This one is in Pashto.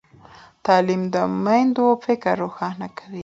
تعلیم د میندو فکر روښانه کوي۔